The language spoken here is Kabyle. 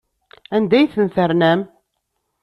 Anda ay ten-ternam?